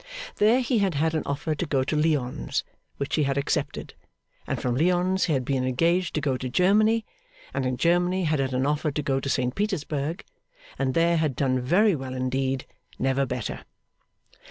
There he had had an offer to go to Lyons, which he had accepted; and from Lyons had been engaged to go to Germany, and in Germany had had an offer to go to St Petersburg, and there had done very well indeed never better.